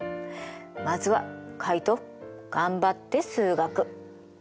まずはカイト頑張って数学。